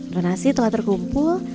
donasi telah terkumpul